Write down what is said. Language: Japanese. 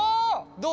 どう？